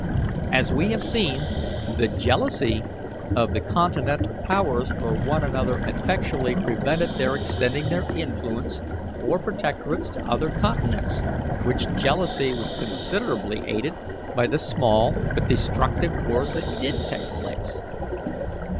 As, we have seen, the jealousy of the Continental powers for one another effectually prevented their extending their influence or protectorates to other continents, which jealousy was considerably aided by the small but destructive wars that did take place.